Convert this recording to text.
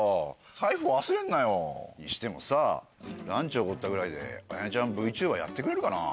財布忘れんなよにしてもさランチおごったぐらいで綾音ちゃんＶＴｕｂｅｒやってくれるかな？